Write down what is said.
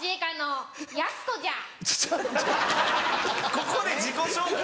ここで自己紹介？